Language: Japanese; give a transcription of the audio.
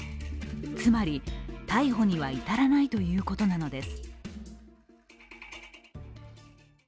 つまり、逮捕には至らないということなのです。